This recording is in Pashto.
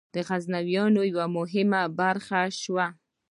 د غزنویانو یوه مهمه برخه شوه.